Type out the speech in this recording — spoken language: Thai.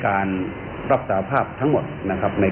กระบวนการแบบนี้ไม่เป็นความจริง